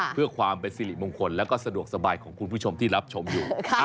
เพื่อความเป็นสิริมงคลแล้วก็สะดวกสบายของคุณผู้ชมที่รับชมอยู่